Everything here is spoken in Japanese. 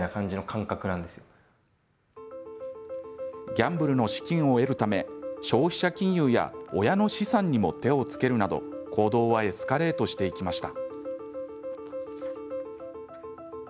ギャンブルの資金を得るため消費者金融や親の資産にも手をつけるなど、行動はエスカレートしていきました。